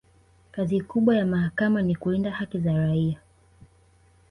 kazi kubwa ya mahakama ni kulinda haki za raia